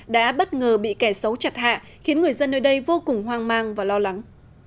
đã bất ngờ bị kẻ xấu chặt hạ khiến người dân nơi đây vô cùng hoang mang và lo lắng